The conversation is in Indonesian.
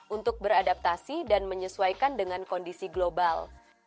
untuk beradaptasi dan menyesuaikan dengan kondisi global